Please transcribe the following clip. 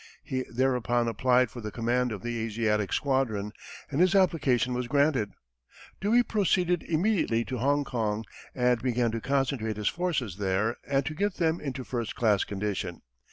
He thereupon applied for the command of the Asiatic squadron, and his application was granted. Dewey proceeded immediately to Hong Kong, and began to concentrate his forces there and to get them into first class condition.